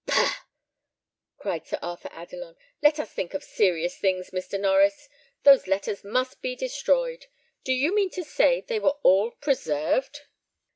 "Paha!" cried Sir Arthur Adelon; "let us think of serious things, Mr. Norries. Those letters must be destroyed. Do you mean to say they were all preserved?"